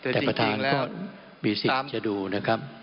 แต่ประธานก็มีสิทธิ์จะดูนะครับ